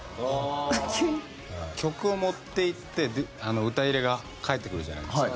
曲を持っていって歌入れが返ってくるじゃないですか。